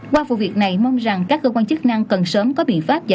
qua vụ việc này mong rằng các cơ quan chức năng cần sớm có bị phát triển